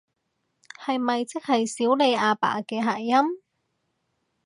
係咪即係少理阿爸嘅諧音？